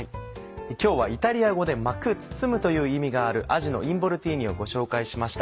今日はイタリア語で「巻く」「包む」という意味がある「あじのインボルティーニ」をご紹介しました。